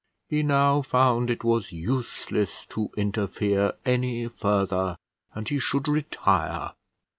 He now found it was useless to interfere any further, and he should retire.